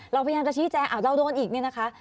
เราพยายามจะชี้แจงเราโดนอีกเนี่ยนะคะ